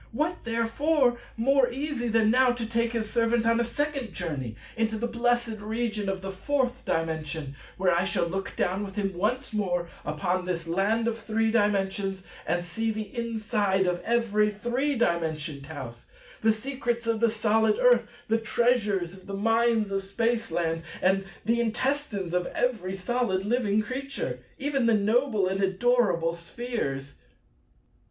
What therefore more easy than now to take his servant on a second journey into the blessed region of the Fourth Dimension, where I shall look down with him once more upon this land of Three Dimensions, and see the inside of every three dimensioned house, the secrets of the solid earth, the treasures of the mines of Spaceland, and the intestines of every solid living creature, even the noble and adorable Spheres.